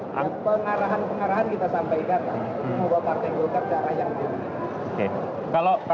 pengarahan pengarahan kita sampaikan membawa partai goka ke daerah yang lebih